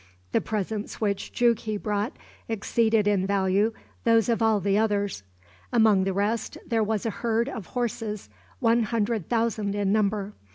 The presents which Jughi brought exceeded in value those of all the others. Among the rest, there was a herd of horses one hundred thousand in number.